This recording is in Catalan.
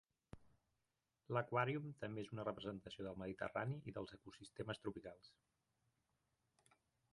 L'aquàrium també és una representació del mediterrani i dels ecosistemes tropicals.